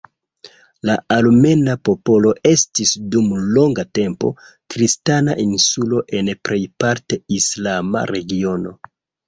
La armena popolo estis dum longa tempo, kristana "insulo" en plejparte islama regiono.